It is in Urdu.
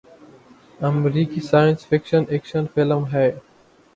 امریکی سائنس فکشن ایکشن فلم ہے